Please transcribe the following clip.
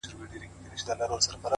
لوړ همت د وېرې دیوال نړوي؛